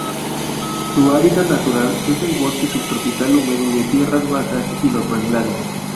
Su hábitat natural es el bosque subtropical húmedo de tierras bajas y los manglares.